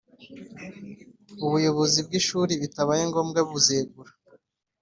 ubuyobozi bw ishuri bitabaye ngombwa buzegure